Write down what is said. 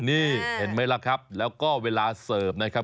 นี่เห็นไหมล่ะครับแล้วก็เวลาเสิร์ฟนะครับ